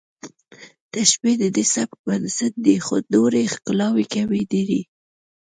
تشبیه د دې سبک بنسټ دی خو نورې ښکلاوې کمې دي